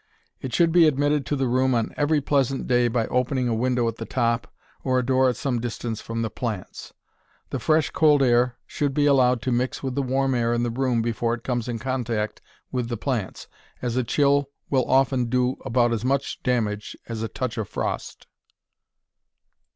It should be admitted to the room on every pleasant day by opening a window at the top, or a door at some distance from the plants. The fresh, cold air should be allowed to mix with the warm air in the room before it comes in contact with the plants, as a chill will often do about as much damage as a touch of frost.